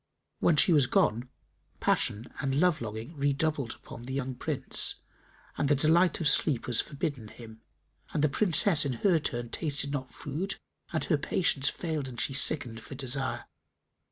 When she was gone, passion and love longing redoubled upon the young Prince and the delight of sleep was forbidden him, and the Princess in her turn tasted not food and her patience failed and she sickened for desire.